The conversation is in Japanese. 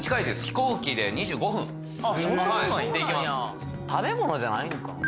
飛行機で２５分で行けます食べ物じゃないんかな？